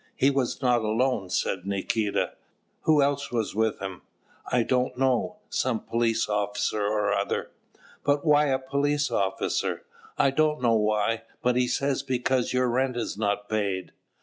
"He was not alone," said Nikita. "Who else was with him?" "I don't know, some police officer or other." "But why a police officer?" "I don't know why, but he says because your rent is not paid."